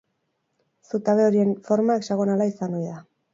Zutabe horien forma hexagonala izan ohi da.